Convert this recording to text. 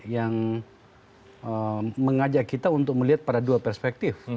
yang mengajak kita untuk melihat pada dua perspektif